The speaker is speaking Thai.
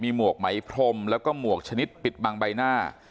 หมวกไหมพรมแล้วก็หมวกชนิดปิดบังใบหน้า